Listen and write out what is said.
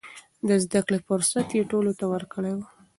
د زده کړې فرصت يې ټولو ته ورکړی و.